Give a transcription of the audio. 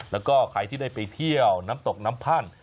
แล้วก็ใครที่ได้ไปเที่ยวน้ำตกน้ำพั่น